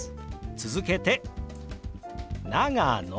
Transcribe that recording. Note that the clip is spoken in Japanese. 続けて「長野」。